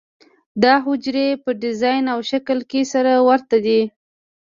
دا حجرې په ډیزاین او شکل کې سره ورته دي.